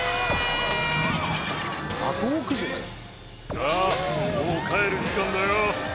さあもう帰る時間だよ。